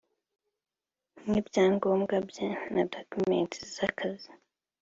nk’ibyangombwa bye na documents z’akazi